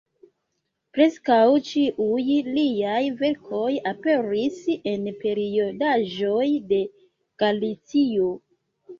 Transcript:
Preskaŭ ĉiuj liaj verkoj aperis en periodaĵoj de Galicio.